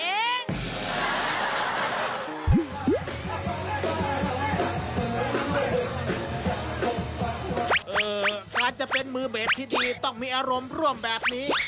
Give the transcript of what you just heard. การจะเป็นมือเบสที่ดีต้องมีอารมณ์ร่วมแบบนี้